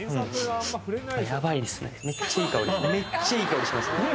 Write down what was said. めっちゃいい香りしますね。